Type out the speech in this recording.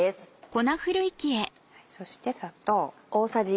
そして砂糖。